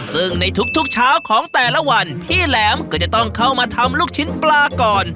ซึ่งในทุกเช้าของแต่ละวันพี่แหลมก็จะต้องเข้ามาทำลูกชิ้นปลาก่อน